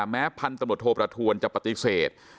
แม้พันธมโตโทประทวนจะปฏิเสธ